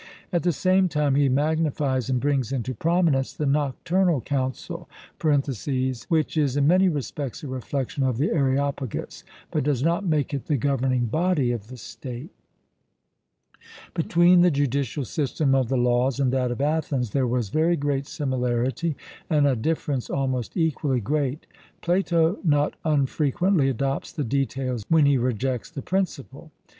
At the same time he magnifies and brings into prominence the Nocturnal Council (which is in many respects a reflection of the Areopagus), but does not make it the governing body of the state. Between the judicial system of the Laws and that of Athens there was very great similarity, and a difference almost equally great. Plato not unfrequently adopts the details when he rejects the principle.